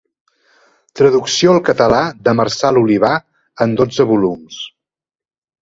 Traducció al català de Marçal Olivar en dotze volums.